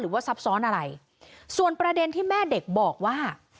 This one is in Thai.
ซับซ้อนอะไรส่วนประเด็นที่แม่เด็กบอกว่า